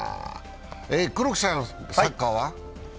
黒木さん、サッカーは？